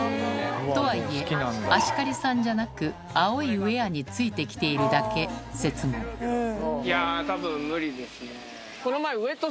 とはいえ芦刈さんじゃなく青いウエアについて来ているだけ説もへぇ。